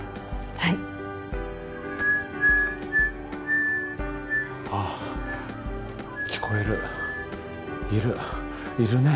はいああ聞こえるいるいるね